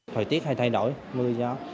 thời tiết hay thay đổi mưa gió